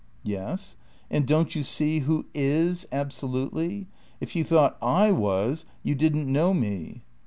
"Yes. And, don't you see, who is absolutely? If you thought I was you didn't know me."